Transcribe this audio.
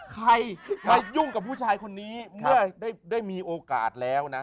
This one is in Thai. ใครมายุ่งกับผู้ชายคนนี้เมื่อได้มีโอกาสแล้วนะ